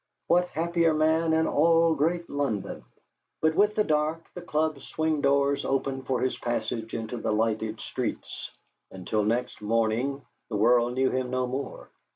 What happier man in all great London! But with the dark the club's swing doors opened for his passage into the lighted streets, and till next morning the world knew him no more.